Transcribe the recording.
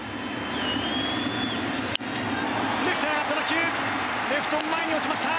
レフトへ上がった打球レフト前へ落ちました！